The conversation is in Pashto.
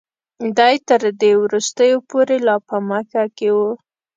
دی تر دې وروستیو پورې لا په مکه کې و.